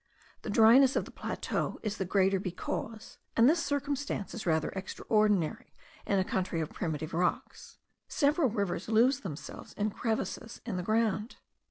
The dryness of the plateau is the greater, because (and this circumstance is rather extraordinary in a country of primitive rocks) several rivers lose themselves in crevices in the ground.